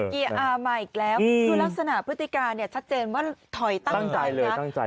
เกียร์อามาอีกแล้วคือลักษณะพฤติการเนี่ยชัดเจนว่าถอยตั้งใจนะ